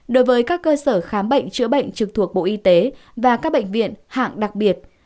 đối với các cơ sở khám bệnh chữa bệnh trực thuộc bộ y tế và các bệnh viện hạng đặc biệt